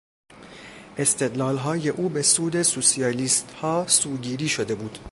استدلالهای او به سود سوسیالیستها سوگیری شده بود.